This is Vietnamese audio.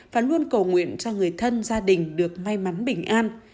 và luôn cầu nguyện cho người thân gia đình được may mắn bình an